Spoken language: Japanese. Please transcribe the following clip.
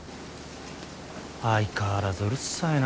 相変わらずうるさいな。